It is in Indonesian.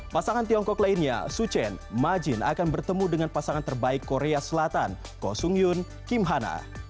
pasangan tiongkok lainnya su chen majin akan bertemu dengan pasangan terbaik korea selatan ko sung hyun kim hana